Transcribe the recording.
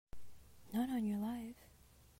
Not on your life!